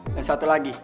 dan satu lagi